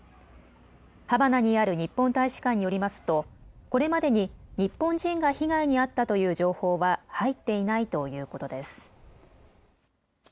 ハバナにある日本大使館によりますとこれまでに日本人が被害に遭ったという情報は入っていないということです。